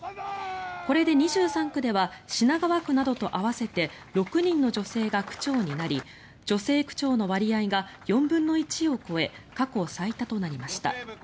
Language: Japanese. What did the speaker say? これで２３区では品川区などと合わせて６人の女性が区長になり女性区長の割合が４分の１を超え過去最多となりました。